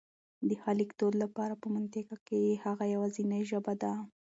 د ښه لیکدود لپاره په منطقه کي هغه يواځنۍ ژبه ده